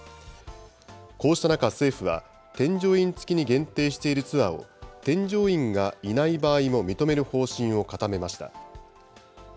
こうした中、政府は、添乗員付きに限定しているツアーを、添乗員がいない場合も認める方針を固めました。